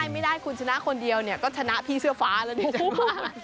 ไม่ได้คุณชนะคนเดียวเนี่ยก็ชนะพี่เสื้อฟ้าแล้วดิฉัน